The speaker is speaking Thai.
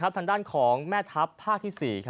ล่าสุดทางด้านของแม่ทัพภาคที่๔